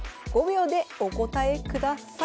５秒でお答えください。